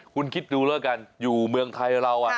คุณคิดดูแล้วกันอยู่เมืองไทยเรา